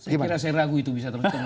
saya ragu itu bisa terjadi